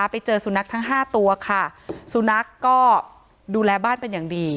ไปเจอสุนัขทั้ง๕ตัวค่ะสุนัขก็ดูแลบ้านเป็นอย่างดี